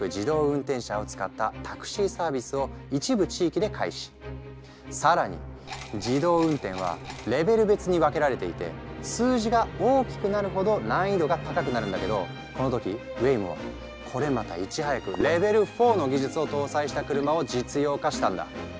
この開発競争をリードしたのは更に自動運転はレベル別に分けられていて数字が大きくなるほど難易度が高くなるんだけどこの時ウェイモはこれまたいち早くレベル４の技術を搭載した車を実用化したんだ。